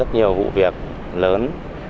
nhiều vụ việc lớn